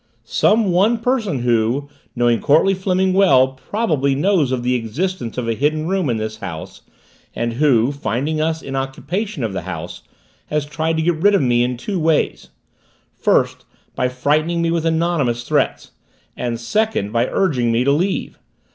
Some one person who, knowing Courtleigh Fleming well, probably knows of the existence of a Hidden Room in this house and who, finding us in occupation of the house, has tried to get rid of me in two ways. First, by frightening me with anonymous threats and, second, by urging me to leave.